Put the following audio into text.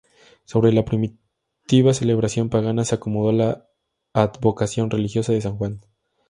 Sobre la primitiva celebración pagana se acomodó la advocación religiosa de San Juan.